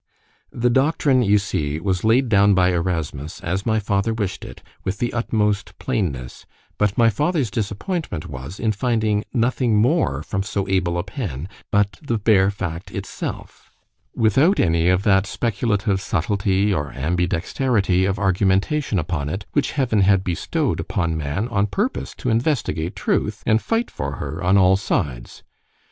The doctrine, you see, was laid down by Erasmus, as my father wished it, with the utmost plainness; but my father's disappointment was, in finding nothing more from so able a pen, but the bare fact itself; without any of that speculative subtilty or ambidexterity of argumentation upon it, which Heaven had bestow'd upon man on purpose to investigate truth, and fight for her on all sides.